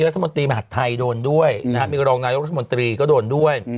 รัฐมนตรีมหาดไทยโดนด้วยนะครับมีรองนายกรัฐมนตรีก็โดนด้วย